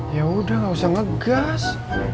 yaudah nggak usah ngegas